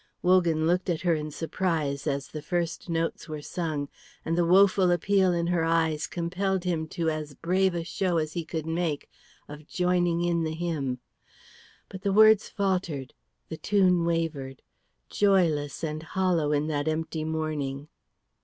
Wogan looked at her in surprise as the first notes were sung, and the woful appeal in her eyes compelled him to as brave a show as he could make of joining in the hymn. But the words faltered, the tune wavered, joyless and hollow in that empty morning.